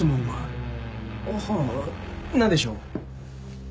はぁ何でしょう？